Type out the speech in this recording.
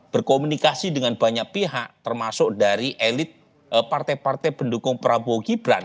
berkomunikasi dengan banyak pihak termasuk dari elit partai partai pendukung prabowo gibran